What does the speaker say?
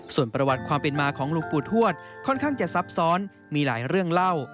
ส่วนประวัติความเป็นมาของหลวงปู่ทวดค่อนข้างจะซับซ้อนมีหลายเรื่องเล่า